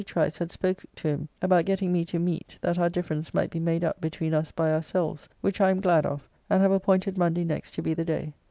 Trice had spoke to him about getting me to meet that our difference might be made up between us by ourselves, which I am glad of, and have appointed Monday next to be the day.